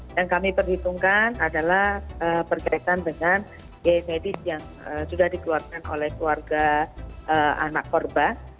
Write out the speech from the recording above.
yang kami perhitungkan adalah berkaitan dengan g medis yang sudah dikeluarkan oleh keluarga anak korban